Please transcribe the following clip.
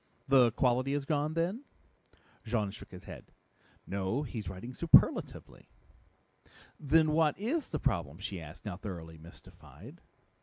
"The quality is gone, then?" Jean shook his head. "No, he's writing superlatively." "Then what is the problem?" she asked, now thoroughly mystified.